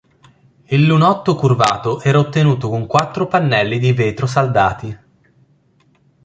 Il lunotto curvato era ottenuto con quattro pannelli di vetro saldati.